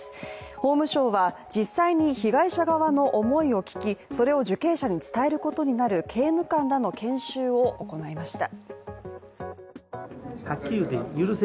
法務省は、実際に被害者側の思いを聞きそれを受刑者に伝えることになる刑務官らの研修を行いました。